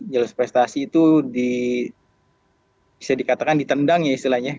jalur prestasi itu bisa dikatakan di tendang ya istilahnya